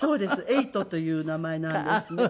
恵偉人という名前なんですね。